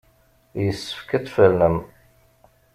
Yessefk ad tfernem.